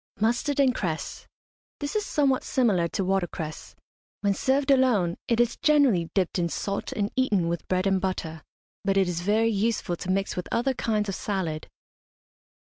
MUSTARD AND CRESS. This is somewhat similar to watercress. When served alone it is generally dipped in salt and eaten with bread and butter, but it is very useful to mix with other kinds of salad.